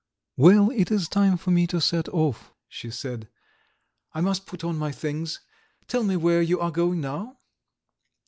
"Well, it is time for me to set off," she said. "I must put on my things. Tell me where you are going now?"